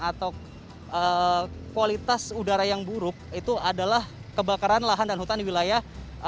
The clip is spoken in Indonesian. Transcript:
atau kualitas udara yang buruk itu adalah kebakaran lahan dan hutan di wilayah